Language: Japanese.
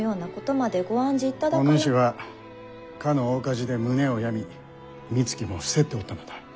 お主はかの大火事で胸を病みみつきも伏せっておったのだ。